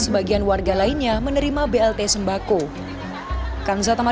sebagian dari mereka menerima blt program keluarga harapan